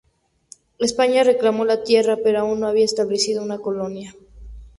España reclamó la tierra pero aún no había establecido una colonia.